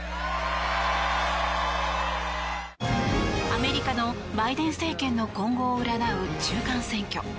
アメリカのバイデン政権の今後を占う中間選挙。